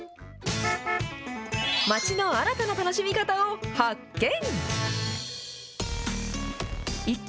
町の新たな楽しみ方を発見。